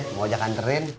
mau ajak anterin